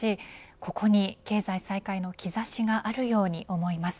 ここに経済再開の兆しがあるように思います。